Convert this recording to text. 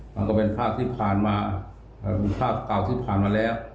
มันก็เป็นภาพที่ผ่านมาเป็นภาพเก่าที่ผ่านมาแล้ว